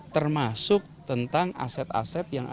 termasuk tentang aset aset yang ada